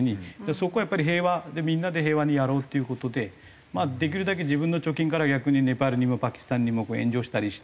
そこをやっぱりみんなで平和にやろうっていう事でまあできるだけ自分の貯金から逆にネパールにもパキスタンにも援助したりして。